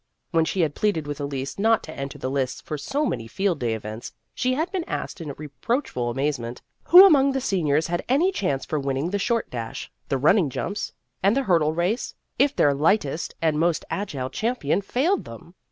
When she had pleaded with Elise not to enter the lists for so many Field Day events, she had been asked in reproachful amazement who among the seniors had any chance for winning the short dash, the running jumps, and the hurdle race, if their lightest and most agile champion failed them.